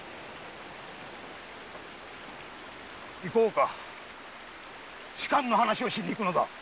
さあ仕官の話をしに行くのだ。